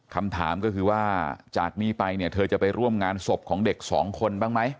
คำถามก็คือว่าจากนี้ไปเนี่ยเธอจะไปร่วมงานศพของเด็กสองคนบ้างไหม